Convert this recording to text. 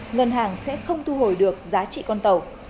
ngân hàng sẽ không thu hồi được giá trị con tàu